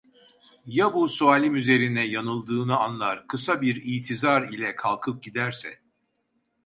Ya bu sualim üzerine yanıldığını anlar, kısa bir itizar ile kalkıp giderse?